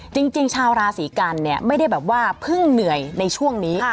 จริงชาวราศีกันเนี่ยไม่ได้แบบว่าเพิ่งเหนื่อยในช่วงนี้